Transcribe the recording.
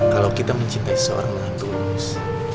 kalau kita mencintai seorang dengan tulus